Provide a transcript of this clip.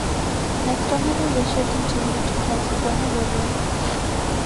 Next on the militia continued to cross Bueno River.